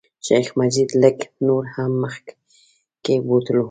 شیخ مجید لږ نور هم مخکې بوتلو.